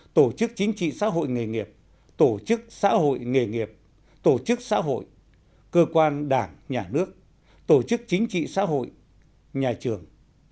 tổ chức chính trị xã hội nghề nghiệp tổ chức xã hội nghề nghiệp tổ chức xã hội cơ quan đảng nhà nước tổ chức chính trị xã hội nhà trường